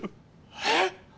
・えっ？